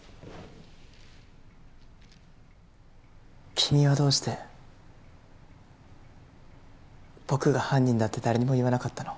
君はどうして僕が犯人だって誰にも言わなかったの？